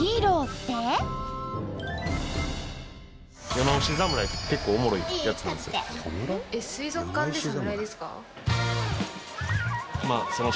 「世直し侍」って結構おもろいやつなんですよ。